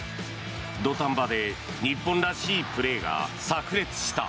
土壇場で日本らしいプレーがさく裂した。